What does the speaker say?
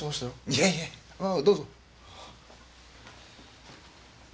いやいやまあどうぞ。